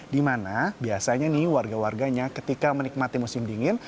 dimana biasanya nih warga warganya ketika menikmati musim dingin